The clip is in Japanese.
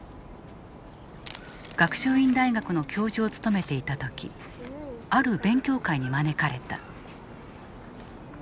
学習院大学の教授を務めていた時ある勉強会に招かれた。